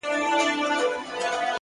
مثبت ذهن د ستونزو تر شا درس ویني,